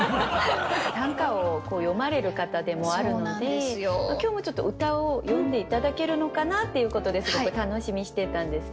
短歌を詠まれる方でもあるので今日もちょっと歌を詠んで頂けるのかなっていうことですごく楽しみにしてたんですけど。